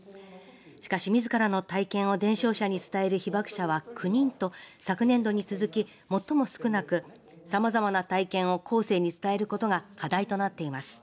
しかし、みずからの体験を伝承者に伝える被爆者は９人と昨年度に続き、最も少なくさまざまな体験を後世に伝えることが課題となっています。